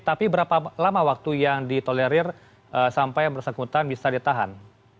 tapi berapa lama waktu yang ditolerir sampai yang bersangkutan bisa ditahan